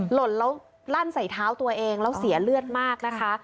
หล่นแล้วลั่นใส่เท้าตัวเองแล้วเสียเลือดมากนะคะ